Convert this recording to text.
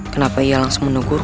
kenapa ia langsung menunggurku